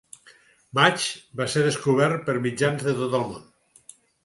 El matx va ser cobert per mitjans de tot el món.